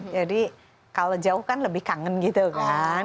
jadi kalau jauh kan lebih kangen gitu kan